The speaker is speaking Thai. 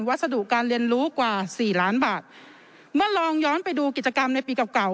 สดุการเรียนรู้กว่าสี่ล้านบาทเมื่อลองย้อนไปดูกิจกรรมในปีเก่าเก่า